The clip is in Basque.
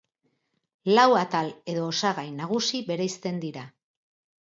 Lau atal edo osagai nagusi bereizten dira.